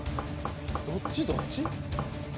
どっちどっち？